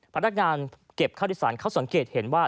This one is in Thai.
พนักงานเก็บค่าโดยสารเขาสังเกตเห็นว่า